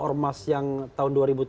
ormas yang tahun dua ribu tujuh belas